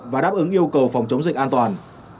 và đáp ứng yêu cầu phòng chống dịch an toàn